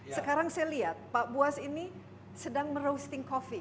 sekarang saya lihat pak buah ini sedang merosting coffee